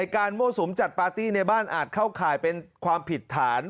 มั่วสุมจัดปาร์ตี้ในบ้านอาจเข้าข่ายเป็นความผิดฐาน